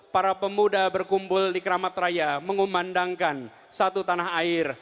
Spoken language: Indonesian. para pemuda berkumpul di keramat raya mengumandangkan satu tanah air